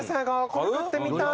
これ買ってみたい。